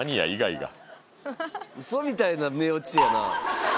ウソみたいな寝落ちやな。